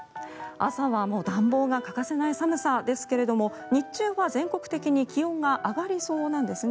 朝は暖房が欠かせない寒さですが日中は全国的に気温が上がりそうなんですね。